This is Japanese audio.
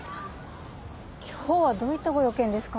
今日はどういったご用件ですか？